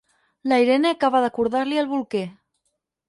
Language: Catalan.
La Irene acaba de cordar-li el bolquer.